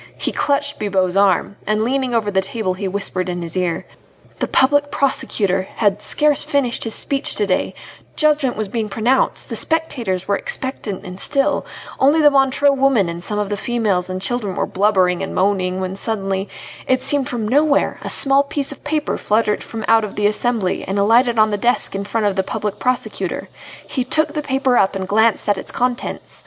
He clutched Bibot's arm, and leaning over the table he whispered in his ear: "The Public Prosecutor had scarce finished his speech to day, judgment was being pronounced, the spectators were expectant and still, only the Montreux woman and some of the females and children were blubbering and moaning, when suddenly, it seemed from nowhere, a small piece of paper fluttered from out the assembly and alighted on the desk in front of the Public Prosecutor. He took the paper up and glanced at its contents.